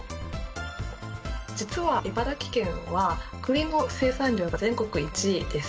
実は茨城県は、くりの生産量が全国１位です。